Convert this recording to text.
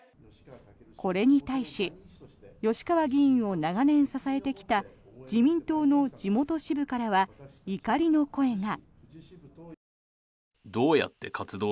これに対し吉川議員を長年支えてきた自民党の地元支部からは怒りの声が。